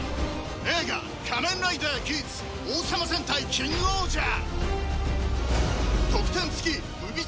映画『仮面ライダーギーツ』『王様戦隊キングオージャー』